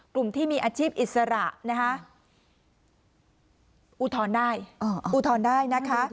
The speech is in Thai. กลุ่มที่มีอาชีพอิสระอุทธรณ์ได้